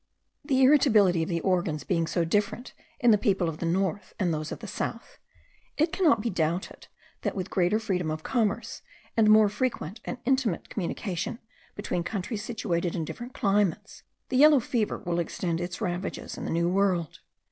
The irritability of the organs being so different in the people of the north and those of the south, it cannot be doubted, that with greater freedom of commerce, and more frequent and intimate communication between countries situated in different climates, the yellow fever will extend its ravages in the New World.